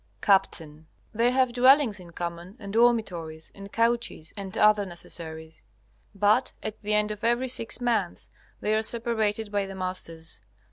Capt. They have dwellings in common and dormitories, and couches and other necessaries. But at the end of every six months they are separated by the masters.